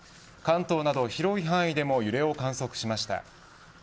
関東など広い範囲でも揺れを観測しました。